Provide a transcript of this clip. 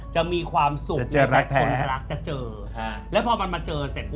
จะมีความสุขจะเจอรักแท้แล้วพอมันมาเจอเสร็จ